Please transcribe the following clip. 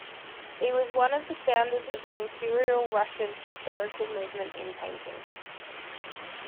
He was one of the founders of the Imperial Russian historical movement in painting.